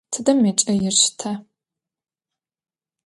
Тыдэ мэкӏаир щыта?